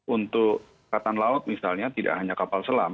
untuk angkatan laut misalnya tidak hanya kapal selam